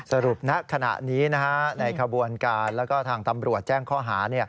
ณขณะนี้ในขบวนการแล้วก็ทางตำรวจแจ้งข้อหา